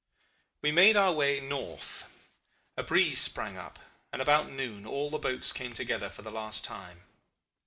"We made our way north. A breeze sprang up, and about noon all the boats came together for the last time.